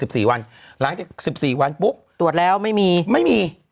สี่วันหลังจากสิบสี่วันปุ๊บตรวจแล้วไม่มีไม่มี